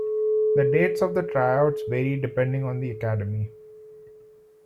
The dates of the tryouts vary depending on the academy.